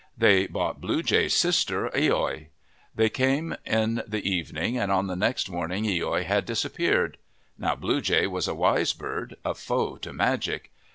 They bought Blue Jay's sister, loi. They came in the evening and on the next morning loi had disappeared. Now Blue Jay was a wise bird, a foe to magic.